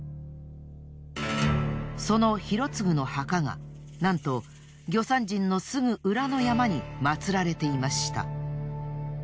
その広嗣の墓がなんと魚山人のすぐ裏の山に祀られていました。